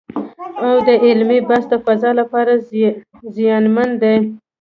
او د علمي بحث د فضا لپاره زیانمن دی